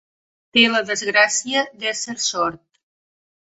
Té la desgràcia d'ésser sord.